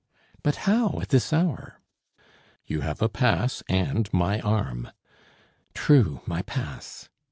"But how, at this hour?" "You have a pass and my arm." "True. My pass."